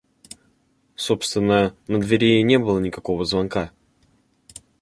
Собственно, на двери и не было никакого звонка.